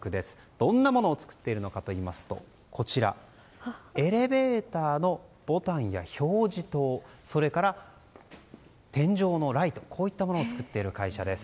どんなものを作っているのかといいますとこちら、エレベーターのボタンや表示灯それから、天井のライトなどを作っている会社です。